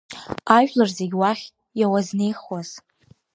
Ажәлар зегьы уахь иауазнеихуаз.